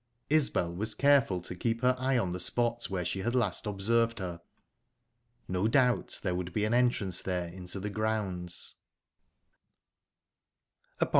Isbel was careful to keep her eye on the spot where she had last observed her. No doubt there would be an entrance there into the grounds.